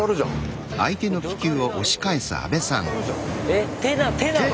えっ手なの？